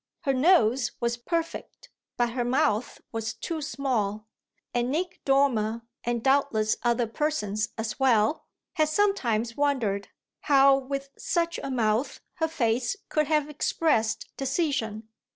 Her nose was perfect, but her mouth was too small; and Nick Dormer, and doubtless other persons as well, had sometimes wondered how with such a mouth her face could have expressed decision.